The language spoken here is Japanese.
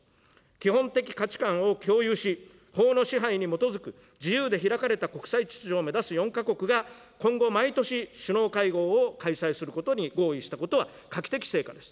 基本的価値観を共有し、法の支配に基づく自由で開かれた国際秩序を目指す４か国が、今後、毎年首脳会合を開催することに合意したことは、画期的成果です。